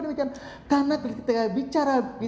demikian karena ketika bicara